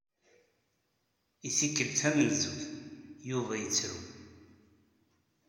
I tikelt tamenzut, Yuba yettru.